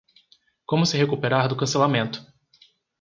Como se recuperar do cancelamento